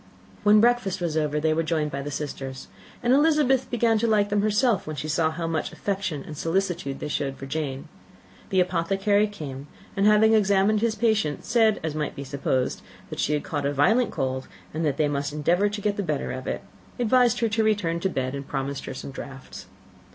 When breakfast was over, they were joined by the sisters; and Elizabeth began to like them herself, when she saw how much affection and solicitude they showed for Jane. The apothecary came; and having examined his patient, said, as might be supposed, that she had caught a violent cold, and that they must endeavour to get the better of it; advised her to return to bed, and promised her some draughts.